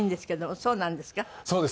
そうです。